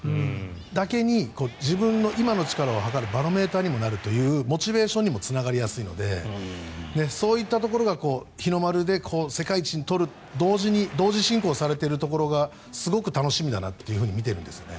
だけに自分の今の力を測るバロメーターにもなるというモチベーションにもつながりやすいのでそういったところが日の丸で世界一を取ると同時に同時進行されているところがすごい楽しみだなと見ているんですね。